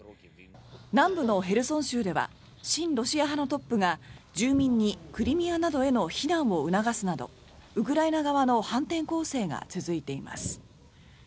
南部のヘルソン州では親ロシア派のトップが住民にクリミアなどへの避難を促すなどウクライナ側の反転攻勢が続いています。